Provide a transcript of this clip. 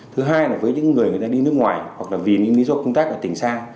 thứ hai là với những người đi nước ngoài hoặc là vì những lý do công tác ở tỉnh xa